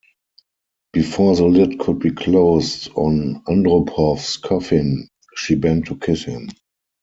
Before the lid could be closed on Andropov's coffin, she bent to kiss him.